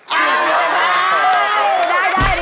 ใช่นี่เต็มบาท